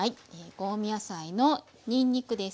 香味野菜のにんにくです。